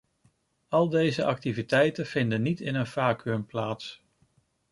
Al deze activiteiten vinden niet in een vacuüm plaats.